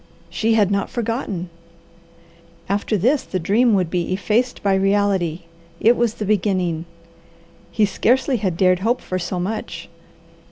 She had not forgotten! After this, the dream would be effaced by reality. It was the beginning. He scarcely had dared hope for so much.